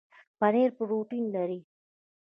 پنیر پروټین لري